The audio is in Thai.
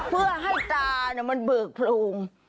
เพื่อให้ตามันเบิกโพรง